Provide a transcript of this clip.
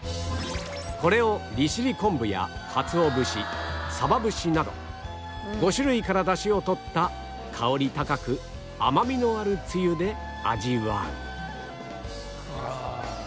これを利尻昆布やカツオ節サバ節など５種類から出汁をとった香り高く甘みのあるつゆで味わう